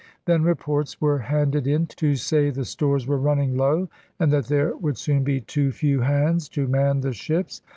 Then reports were handed in to say the stores were running low and that there would soon be too few hands to man the ships.